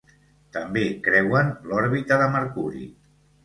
També creuen l'òrbita de Mercuri.